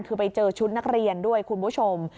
คือไปเจอชุดนักเรียนด้วยคุณผู้ชม